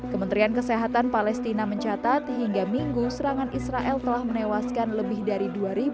kementerian kesehatan palestina mencatat hingga minggu serangan israel telah menewaskan lebih dari dua ribu